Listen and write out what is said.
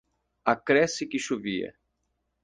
Acresce que chovia